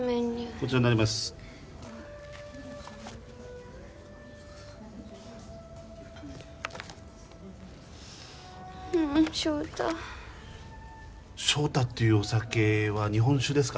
こちらになりますうん翔太ショウタっていうお酒は日本酒ですか？